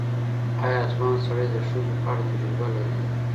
آیا ځوان سړی د ښځو په اړه تجربه لري؟